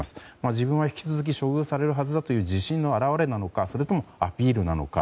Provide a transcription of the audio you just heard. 自分は引き続き処遇される自信の表れなのかそれともアピールなのか。